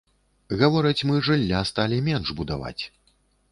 Гавораць, мы жылля сталі менш будаваць.